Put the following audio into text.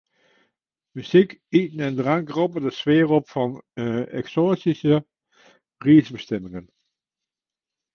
Muzyk, iten en drank roppe de sfear op fan eksoatyske reisbestimmingen.